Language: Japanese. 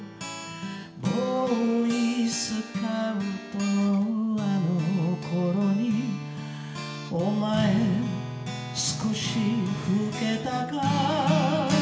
「ボーイスカウトのあの頃にお前少し老けたか」